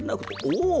おお！